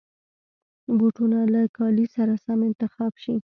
بوټونه له کالي سره سم انتخاب شي.